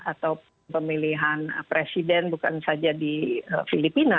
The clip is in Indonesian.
atau pemilihan presiden bukan saja di filipina